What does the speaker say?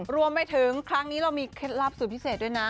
รวมไปถึงครั้งนี้เรามีเคล็ดลับสูตรพิเศษด้วยนะ